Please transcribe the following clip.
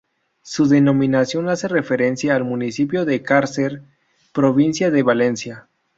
Su denominación hace referencia al municipio de Cárcer, provincia de Valencia.